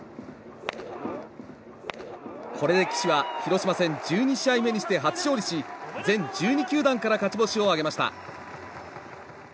これで岸は広島戦１２試合目にして初勝利し、全１２球団から勝ち星を挙げました。